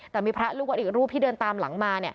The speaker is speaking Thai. แต่มีพระลูกวัดอีกรูปที่เดินตามหลังมา